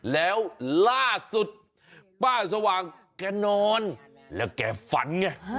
แล้วล่าสุดป้าสว่างแกนอนแล้วแกฝันไง